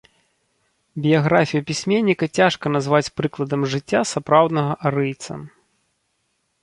Біяграфію пісьменніка цяжка назваць прыкладам жыцця сапраўднага арыйца.